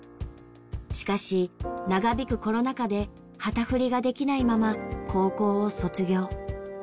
しかし長引くコロナ禍で旗振りができないまま高校を卒業。